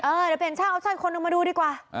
เดี๋ยวเปลี่ยนช่างเอาช่างคนนึงมาดูดีกว่า